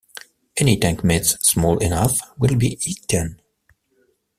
Any tankmates small enough will be eaten.